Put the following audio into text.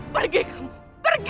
pergi kamu pergi